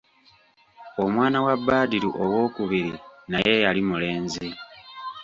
Omwana wa Badru owookubiri naye yali mulenzi.